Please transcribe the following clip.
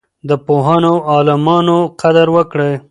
د پوهانو او عالمانو قدر وکړئ.